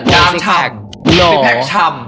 กามชำ